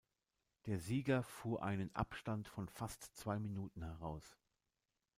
Der Sieger fuhr einen Abstand von fast zwei Minuten heraus.